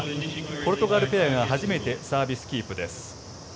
ポルトガルペアが初めてサービスキープです。